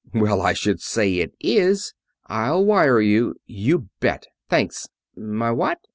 Well, I should say it is! I'll wire you. You bet. Thanks. My what?